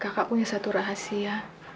kakak punya satu rahasia